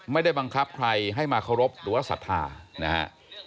ไม่ได้บังคับใครให้มาเคารพหรือว่าศรัทธานะฮะ